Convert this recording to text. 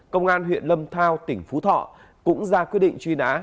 công an huyện lâm thao tỉnh phú thọ cũng ra quyết định truy nã